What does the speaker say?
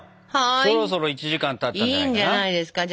そろそろ１時間たったんじゃないかな。